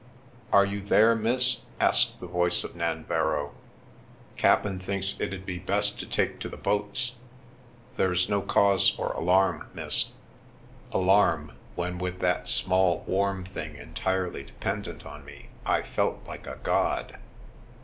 " Are you there, miss ?" asked the voice of Nanver row. " Cap'en thinks it'd be best to take to the boats There's no cause for alarm, miss." Alarm, when with that small, warm thing entirely de pendent on me I felt like a god